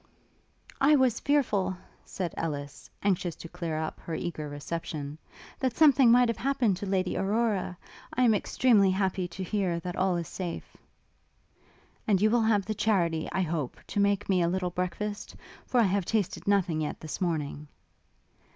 'I was fearful,' said Ellis, anxious to clear up her eager reception, 'that something might have happened to Lady Aurora; I am extremely happy to hear that all is safe.' 'And you will have the charity, I hope, to make me a little breakfast? for I have tasted nothing yet this morning.'